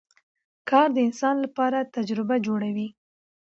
کار د انسان لپاره تجربه جوړوي